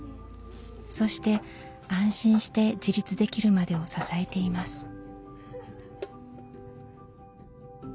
そして安心して自立できるまでを支えています。